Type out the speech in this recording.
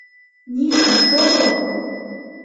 Нина, шого!